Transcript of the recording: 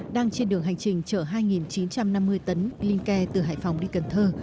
đang trên đường hành trình chở hai chín trăm năm mươi tấn linh ke từ hải phòng đi cần thơ